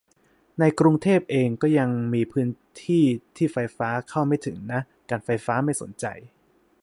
ในกรุงเทพเอง ก็ยังมีพื้นที่ที่ไฟฟ้าเข้าไม่ถึงนะ การไฟฟ้าไม่สนใจ